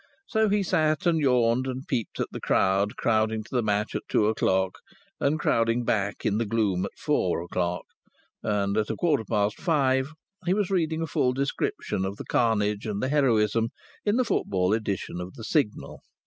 So he sat and yawned, and peeped at the crowd crowding to the match at two o'clock, and crowding back in the gloom at four o'clock; and at a quarter past five he was reading a full description of the carnage and the heroism in the football edition of the Signal.